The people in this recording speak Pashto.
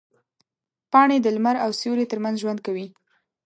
پاڼې د لمر او سیوري ترمنځ ژوند کوي.